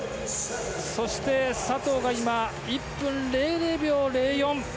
そして、佐藤が１分００秒０４。